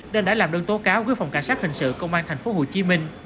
nên đã làm đơn tố cáo với phòng cảnh sát hình sự công an tp hcm